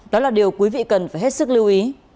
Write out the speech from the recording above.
đó là điều quý vị cần phải hết sức lưu ý